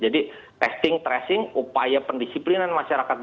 jadi testing tracing upaya pendisiplinan masyarakat